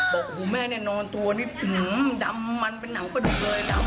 บอกโอ้โหแม่แน่นอนตัวนี้ดำมันเป็นหนังประดูกเลย